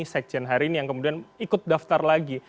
sekjen hari ini yang kemudian ikut daftar lagi